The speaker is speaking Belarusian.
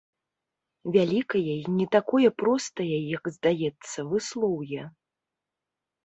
Вялікае і не такое простае, як здаецца, выслоўе.